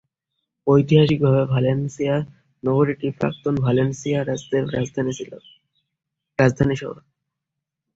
ঐতিহাসিকভাবে ভালেনসিয়া নগরীটি প্রাক্তন ভালেনসিয়া রাজ্যের রাজধানী শহর ছিল।